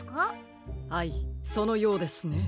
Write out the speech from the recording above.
はいそのようですね。